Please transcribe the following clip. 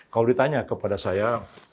kalau ditanya kepada saya